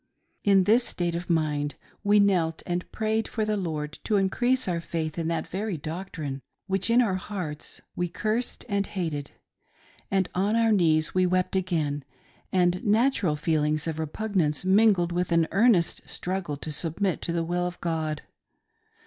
In this state of mind we knelt and prayed for the Lord to increase our faith in that very doctrine which in our hearts we A COMPANION IN MISERY. 149 cursed and hated; and on our knees we wept again; and natural feelings of repugnance mingled with an earnest strug gle to submit to the will of God.